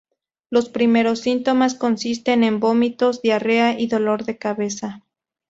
Los primeros síntomas consisten en vómitos, diarrea y dolor de cabeza.